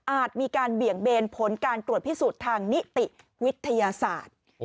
มีการเบี่ยงเบนผลการตรวจพิสูจน์ทางนิติวิทยาศาสตร์